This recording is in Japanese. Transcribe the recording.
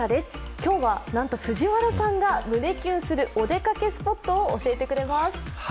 今日はなんと、藤原さんが胸キュンするお出かけスポットを教えてくれます。